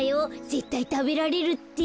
ぜったいたべられるって。